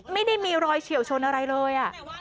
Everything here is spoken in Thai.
ไม่ได้มีรอยเฉียวชนอะไรเลย